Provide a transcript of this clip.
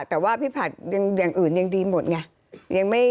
แต่ว่าพี่ผัดอย่างอื่นยังดีหมดไง